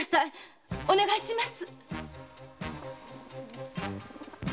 お願いします！